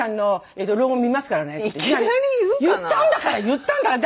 言ったんだから！